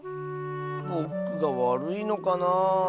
ぼくがわるいのかなあ。